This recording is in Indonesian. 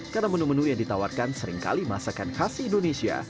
karena menu menu yang ditawarkan seringkali masakan khas indonesia